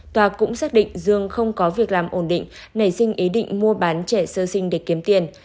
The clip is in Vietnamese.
tòa cũng xác định dương không có việc làm ổn định nảy sinh ý định mua bán trẻ sơ sinh để kiếm tiền